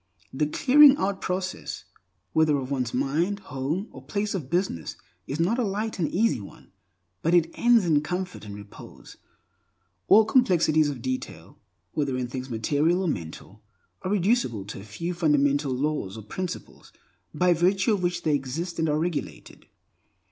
The clearing out process, whether of one's mind, home, or place of business, is not a light and easy one, but it ends in comfort and repose. All complexities of detail, whether in things material or mental, are reducible to a few fundamental laws or principles by virtue of which they exist and are regulated.